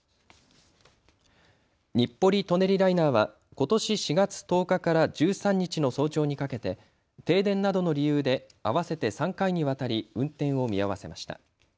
日暮里・舎人ライナーはことし４月１０日から１３日の早朝にかけて停電などの理由で合わせて３回にわたり運転を見合わせました。